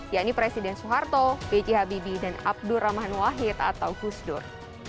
yakni presiden soeharto b c habibie dan abdur rahman wahid atau gus dur